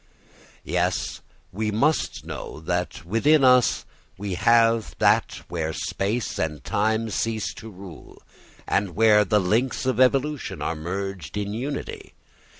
Yes, we must know that within us we have that where space and time cease to rule and where the links of evolution are merged in unity.